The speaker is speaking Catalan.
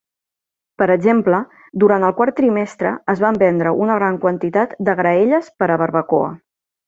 Per exemple, durant el quart trimestre es va vendre una gran quantitat de graelles per a barbacoa.